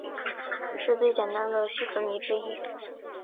是最简单的烯醇醚之一。